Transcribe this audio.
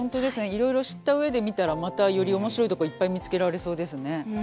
いろいろ知った上で見たらまたより面白いとこいっぱい見つけられそうですね。